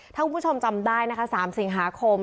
ถ้าคุณผู้ชมจำได้นะคะ๓สิงหาคม